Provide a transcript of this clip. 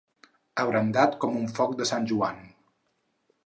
Abrandat com un foc de Sant Joan.